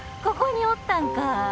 ここにおったんか。